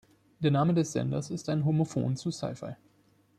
Der Name des Senders ist ein Homophon zu Sci-Fi.